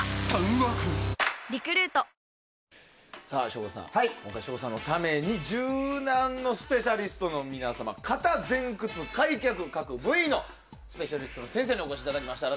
省吾さんのために柔軟のスペシャリストの皆様肩・前屈・開脚、各部位のスペシャリストの先生にお越しいただきました。